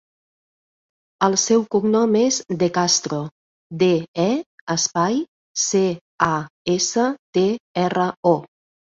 El seu cognom és De Castro: de, e, espai, ce, a, essa, te, erra, o.